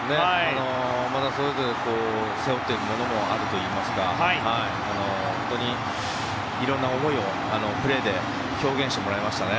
それぞれ背負っているものもあるといいますか本当に色んな思いをプレーで表現してもらいましたね。